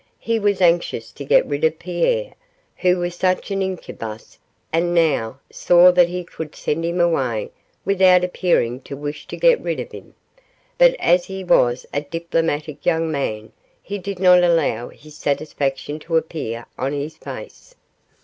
He was anxious to get rid of Pierre, who was such an incubus, and now saw that he could send him away without appearing to wish to get rid of him. But as he was a diplomatic young man he did not allow his satisfaction to appear on his face.